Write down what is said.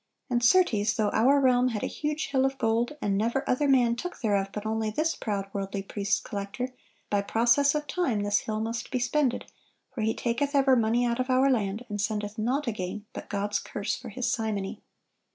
And certes though our realm had a huge hill of gold, and never other man took thereof but only this proud worldly priest's collector, by process of time this hill must be spended; for he taketh ever money out of our land, and sendeth naught again but God's curse for his simony."